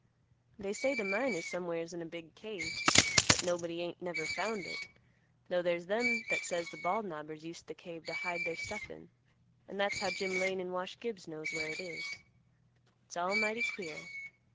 They say the mine is somewhere's in a big cave, but nobody ain't never found it, 'though there's them that says the Bald Knobbers used the cave to hide their stuff in, and that's how Jim Lane and Wash Gibbs knows where it is; it's all mighty queer.